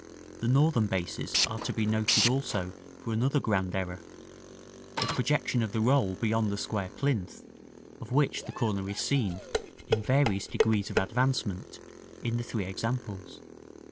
The Northern bases are to be noted also for another grand error: the projection of the roll beyond the square plinth, of which the corner is seen, in various degrees of advancement, in the three examples.